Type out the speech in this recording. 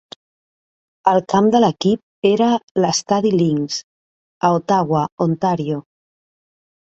El camp de l'equip era l'estadi Lynx a Ottawa, Ontario.